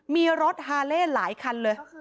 มีรถฮาเล่หลายคันเลย